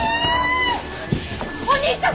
お兄様！